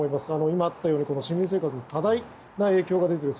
今あったように、市民生活に多大な影響が出ている。